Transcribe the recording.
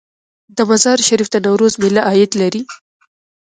د مزار شریف د نوروز میله عاید لري؟